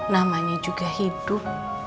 namanya juga hidup